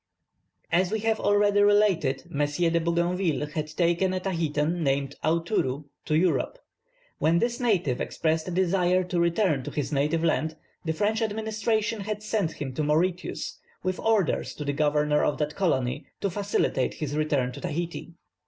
As we have already related, M. de Bougainville had taken a Tahitan named Aoutourou to Europe. When this native expressed a desire to return to his native land, the French administration had sent him to Mauritius, with orders to the governor of that colony to facilitate his return to Tahiti.